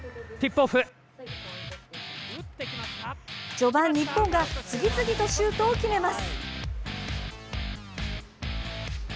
序盤、日本が次々とシュートを決めます。